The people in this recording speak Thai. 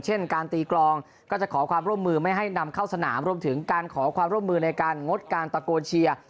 การตีกรองก็จะขอความร่วมมือไม่ให้นำเข้าสนามรวมถึงการขอความร่วมมือในการงดการตะโกนเชียร์